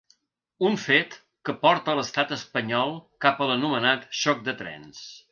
Un fet que porta l’estat espanyol cap a l’anomenat xoc de trens.